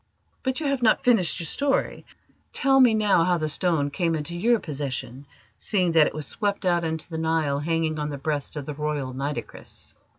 But you have not finished your story. Tell me now how the stone came into your possession, seeing that it was swept out into the Nile hanging on the breast of the Royal Nitocris."